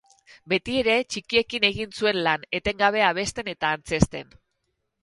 Betiere txikiekin egin zuen lan, etengabe abesten eta antzezten.